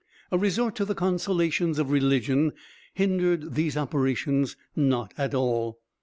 A resort to the consolations of religion hindered these operations not at all.